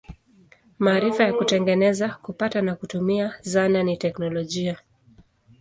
Maarifa ya kutengeneza, kupata na kutumia zana ni teknolojia.